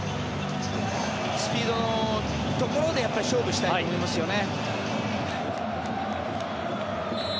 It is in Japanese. スピードのところで勝負したいと思いますよね。